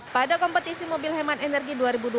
pada kompetisi mobil hemat energi dua ribu dua puluh